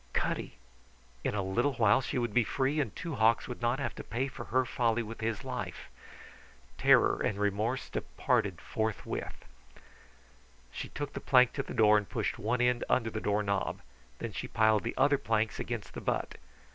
Cutty! In a little while she would be free, and Two Hawks would not have to pay for her folly with his life. Terror and remorse departed forthwith. She took the plank to the door and pushed one end under the door knob. Then she piled the other planks against the butt.